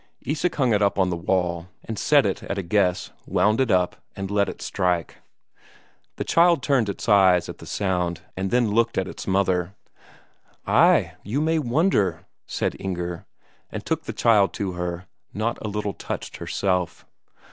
Isak hung it up on the wall, and set it at a guess, wound it up, and let it strike. The child turned its eyes at the sound and then looked at its mother. "Ay, you may wonder," said Inger, and took the child to her, not a little touched herself.